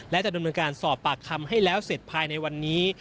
และจะดำเนินการสอบปากคำให้แล้วเสร็จภายในวันนี้